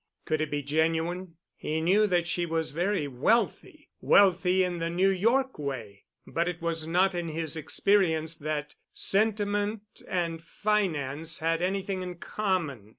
Could it be genuine? He knew that she was very wealthy—wealthy in the New York way—but it was not in his experience that sentiment and finance had anything in common.